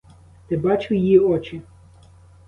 Ти бачив її очі?